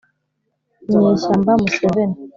inyeshyamba museveni